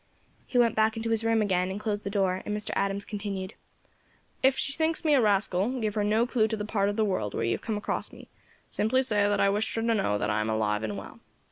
He went back into his room again, and closed the door, and Mr. Adams continued "'If she thinks me a rascal, give her no clue to the part of the world where you have come across me, simply say that I wished her to know that I am alive and well.'